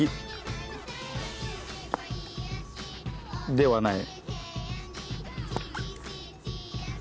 ではない。